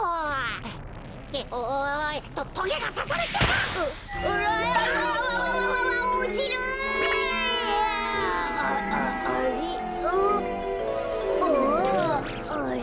あれ？